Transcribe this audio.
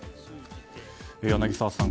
柳澤さん